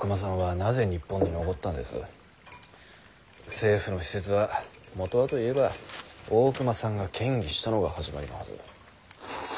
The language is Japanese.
政府の使節はもとはと言えば大隈さんが建議したのが始まりのはず。